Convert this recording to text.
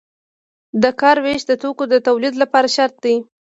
د کار ویش د توکو د تولید لپاره شرط دی.